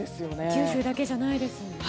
九州だけじゃないですね。